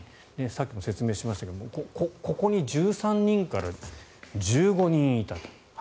さっきも説明しましたがここに１３人から１５人いた。